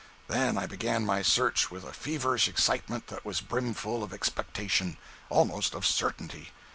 Then I began my search with a feverish excitement that was brimful of expectation—almost of certainty.